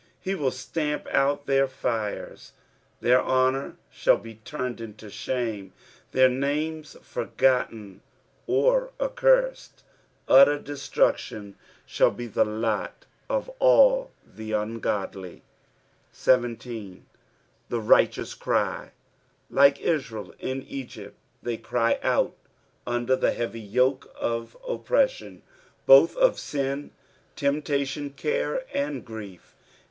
He will stamp out tbeir fires, their honour shall he turned into shame, their names forgotten or accursed. Utter destructioQ aball be the lot of all the ungodly. 17. "!%« righttom cry." Like Israel /in Egypt, they cry out under the heavy yoke of oppression, both of sin, temptation, care, and grief.